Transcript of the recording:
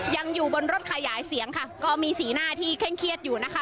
ยังอยู่บนรถขยายเสียงค่ะก็มีสีหน้าที่เคร่งเครียดอยู่นะคะ